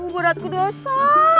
berat ku dosa